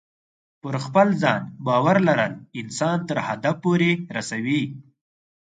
پر خپل ځان باور لرل انسان تر هدف پورې رسوي.